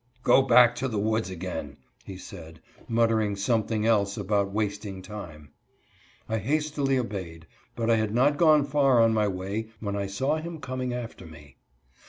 '' Go back to the woods again," he said, muttering something else about wasting time. I hastily obeyed, but I had not gone far on my way when I saw him coming after me.